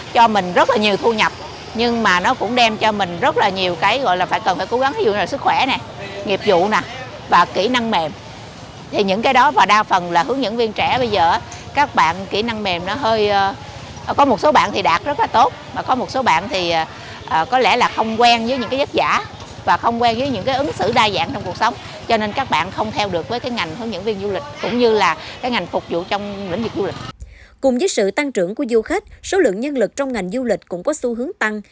cùng với sự tăng trưởng của du khách số lượng nhân lực trong ngành du lịch cũng có xu hướng tăng